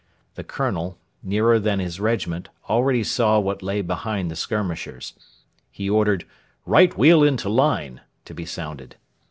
The Colonel, nearer than his regiment, already saw what lay behind the skirmishers. He ordered, 'Right wheel into line' to be sounded.